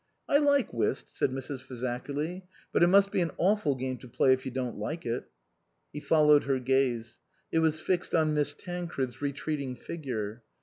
" I like whist," said Mrs. Fazakerly ;" but it must be an awful game to play if you don't like it." He followed her gaze. It was fixed on Miss Tancred's retreating figure.